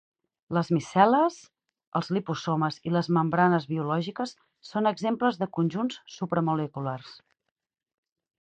Els micel·les, els liposomes i les membranes biològiques són exemples de conjunts supramoleculars.